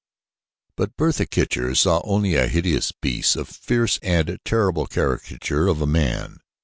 But Bertha Kircher saw only a hideous beast, a fierce and terrible caricature of man.